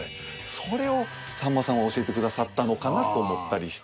それをさんまさんは教えてくださったのかなと思ったりして。